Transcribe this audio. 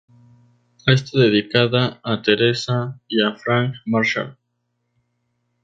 Está dedicada a Teresa y a Frank Marshall.